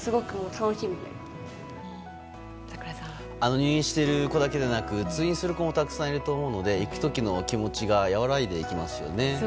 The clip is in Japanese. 入院している子だけではなく通院する子もたくさんいると思うので行く時の気持ちが和らいでいきますよね。